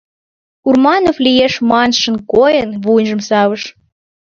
Урманов, «лиеш» маншын койын, вуйжым савыш.